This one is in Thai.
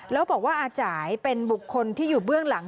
แล้วบอกว่าอาจ่ายเป็นบุคคลที่อยู่เบื้องหลัง